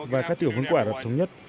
và các tiểu vương quốc ả rập thống nhất